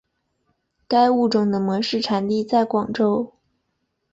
该物种的模式产地在广州。